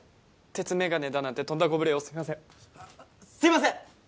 鉄眼鏡だなんてとんだご無礼をすいませんすいません！